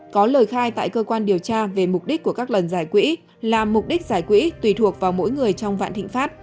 có lời khai tại cơ quan điều tra về mục đích của các lần giải quỹ là mục đích giải quỹ tùy thuộc vào mỗi người trong vạn thịnh pháp